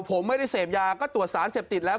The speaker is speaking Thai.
ผมไม่ได้เสพยาก็ตรวจสารเสพติดแล้ว